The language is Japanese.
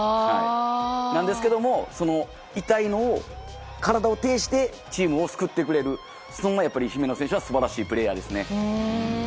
なんですけども痛いのを体をていしてチームを救ってくれるそんな姫野選手は素晴らしいプレーヤーですね。